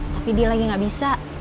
tapi dia lagi gak bisa